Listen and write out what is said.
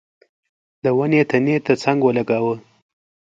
د ونې تنې ته څنګ ولګاوه.